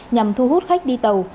nhằm thu hút khách đi tàu